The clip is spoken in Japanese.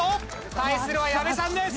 対するは矢部さんです。